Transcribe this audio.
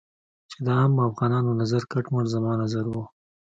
چې د عامو افغانانو نظر کټ مټ زما نظر و.